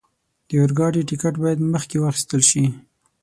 د اورګاډي ټکټ باید مخکې واخستل شي.